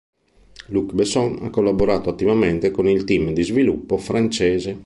Luc Besson ha collaborato attivamente con il team di sviluppo francese.